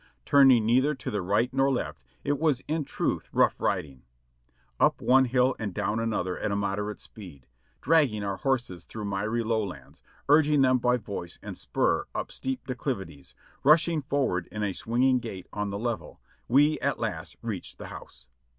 Turning neither to the right nor left, it was in truth rough riding. Up one hill and down another at moderate speed, dragging our horses through miry lowlands, urging them by voice and spur 628 JOHNNY RE:b AND BIIwIvY YANK up Steep declivities, rushing forward in a swinging gait on the level, we at last reached the house.